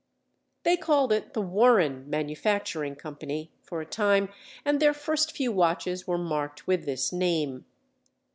They called it the "Warren Manufacturing Company" for a time, and their first few watches were marked with this name.